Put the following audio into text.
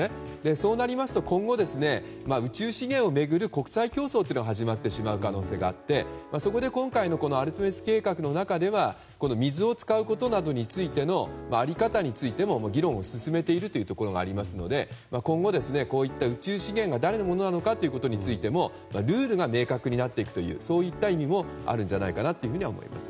そうなりますと、今後宇宙資源を巡る国際競争が始まってしまう可能性があってそこで今回のアルテミス計画の中では水を使うことなどについてのあり方についても議論を進めているというところがありますので今後、宇宙資源が誰のものなのかについてもルールが明確になっていくという意味もあるんじゃないかと思います。